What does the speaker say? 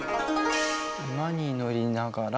馬に乗りながら。